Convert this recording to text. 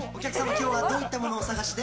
今日はどういったものをお探しで？